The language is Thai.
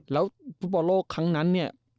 แล้วภูตบระโลกครั้งนานเนี่ย